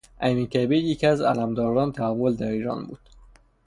امیرکبیر یکی از علمداران تحول در ایران بود.